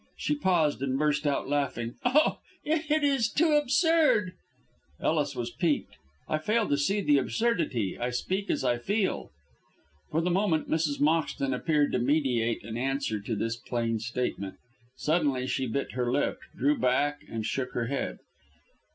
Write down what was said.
She paused and burst out laughing. "Oh, it is too absurd." Ellis was piqued. "I fail to see the absurdity. I speak as I feel." For the moment Mrs. Moxton appeared to meditate an answer to this plain statement. Suddenly she bit her lip, drew back and shook her head.